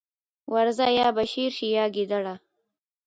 ورځه! يا به شېر شې يا ګيدړه.